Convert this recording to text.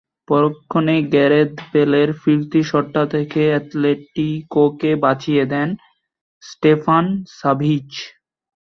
পরক্ষণেই গ্যারেথ বেলের ফিরতি শটটা থেকে অ্যাটলেটিকোকে বাঁচিয়ে দেন স্টেফান সাভিচ।